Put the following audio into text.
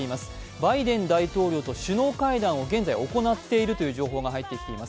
バイデン大統領と首脳会談を現在行っているという情報が入ってきています。